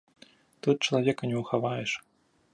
Тут чалавека не ўхаваеш.